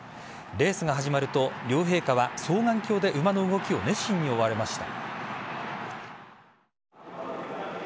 レースが始まると両陛下は双眼鏡で馬の動きを熱心に追われました。